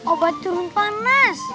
obat turun panas